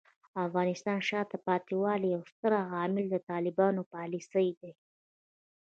د افغانستان د شاته پاتې والي یو ستر عامل طالبانو پالیسۍ دي.